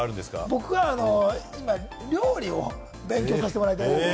僕は料理を勉強させてもらいたいなと。